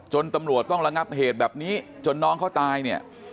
ตำรวจต้องระงับเหตุแบบนี้จนน้องเขาตายเนี่ย